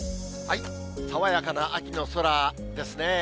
爽やかな秋の空ですね。